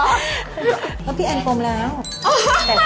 เพราะพี่แอนกลมแล้ว